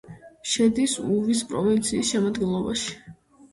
შედის უვის პროვინციის შემადგენლობაში.